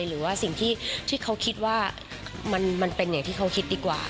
หรือว่าสิ่งที่เขาคิดว่ามันเป็นอย่างที่เขาคิดดีกว่า